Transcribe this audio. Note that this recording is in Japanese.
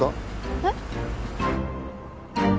えっ？